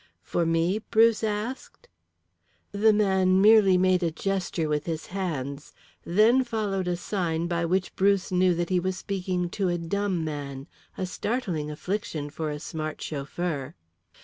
"For me?" Bruce asked. The man merely made a gesture with his hands. Then followed a sign, by which Bruce knew that he was speaking to a dumb man, a startling affliction for a smart chauffeur.